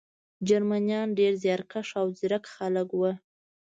جرمنان ډېر زیارکښ او ځیرک خلک وو